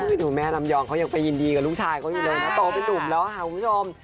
ดูแม่ลำยองเขายังไปยินดีกับลูกชายเขาอยู่เลยนะโตเป็นนุ่มแล้วค่ะคุณผู้ชม